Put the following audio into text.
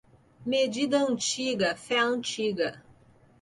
Medida antiga, fé antiga.